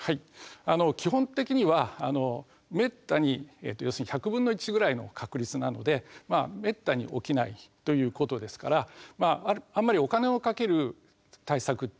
基本的にはめったに要するに１００分の１ぐらいの確率なのでめったに起きないということですからあんまりお金をかける対策というのは推奨してないんですね。